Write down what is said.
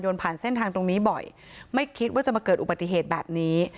ผ่านเส้นทางตรงนี้บ่อยไม่คิดว่าจะมาเกิดอุบัติเหตุแบบนี้